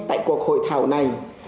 tại cuộc hội thảo này